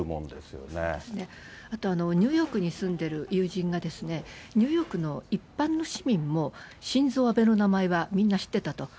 あとニューヨークに住んでる友人が、ニューヨークの一般の市民も、シンゾウ・アベの名前はみんな知ってたと。